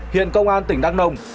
hiện công an tỉnh đắk nông